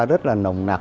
rất là nồng nạc